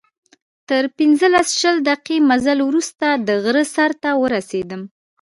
تر پنځلس، شل دقیقې مزل وروسته د غره سر ته ورسېدم.